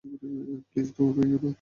Please, দৌড়িও না।